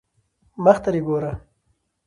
مخ ته دي ګوره